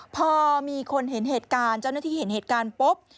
พอมีคนเห็นเหตุการณ์เจ้าหน้าที่เห็นเหตุการณ์ปุ๊บ